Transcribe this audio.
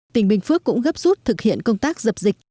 tỉnh bình phước cũng gấp rút thực hiện công tác dập dịch